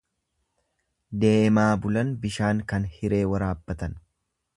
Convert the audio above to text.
Deemaa bulan bishaan kan hiree waraabbatan.